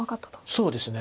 そうですね